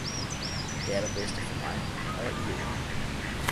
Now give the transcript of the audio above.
Det allerbedste for mig – og i jorden!